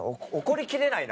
「怒りきれない」。